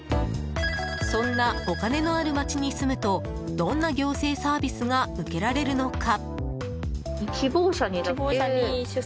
そんな、お金のあるまちに住むとどんな行政サービスが受けられるのか。